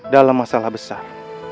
dalam masalah besar